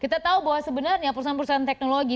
kita tahu bahwa sebenarnya perusahaan perusahaan teknologi